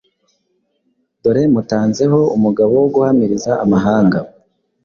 Dore mutanze ho umugabo wo guhamiriza amahanga,